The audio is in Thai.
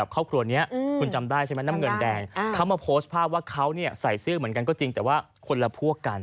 เขาโพสต์ภาพว่าเขาใส่เสื้อเหมือนกันก็จริงแต่ว่าคนละพวกกัน